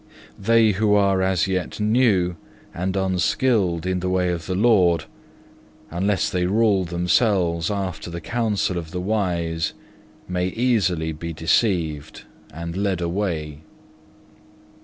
They who are as yet new and unskilled in the way of the Lord, unless they rule themselves after the counsel of the wise, may easily be deceived and led away.